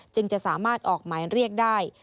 จึงจะสามารถออกหมายเรียกได้